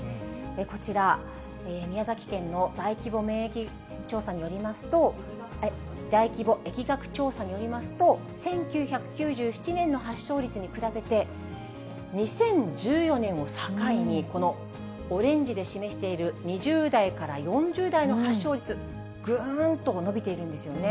こちら、宮崎県の大規模疫学調査によりますと、１９９７年の発症率に比べて、２０１４年を境に、このオレンジで示している２０代から４０代の発症率、ぐーんと伸びているんですよね。